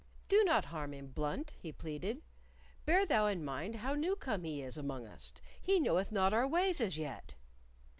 "Do not harm him, Blunt," he pleaded. "Bear thou in mind how new come he is among us. He knoweth not our ways as yet."